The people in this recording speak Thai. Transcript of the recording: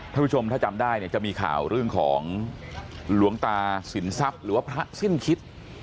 ท่านผู้ชมถ้าจำได้เนี่ยจะมีข่าวเรื่องของหลวงตาสินทรัพย์หรือว่าพระสิ้นคิด